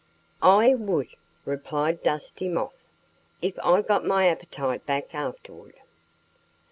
"I would " replied Dusty Moth "if I got my appetite back afterward."